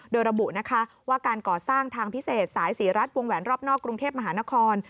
โดยระบุนะคะว่าการก่อสร้างทางพิเศษสายศรีรัฐวงแหวนรอบนอกกรุงเทพมหานคร